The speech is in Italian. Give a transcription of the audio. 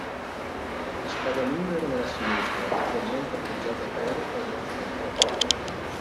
La spada lunga era nella sinistra, attualmente poggiata a terra per non stancare troppo il braccio.